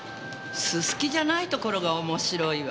ススキじゃないところが面白いわ。